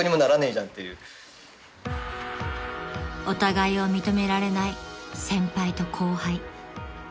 ［お互いを認められない先輩と後輩］